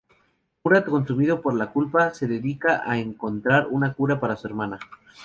Murat, consumido por la culpa, se dedica a encontrar una cura para su hermana.